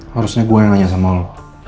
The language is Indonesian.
harusnya gue yang nanya sama allah